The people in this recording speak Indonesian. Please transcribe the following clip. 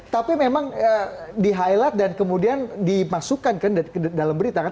tapi memang di highlight dan kemudian dimasukkan ke dalam berita kan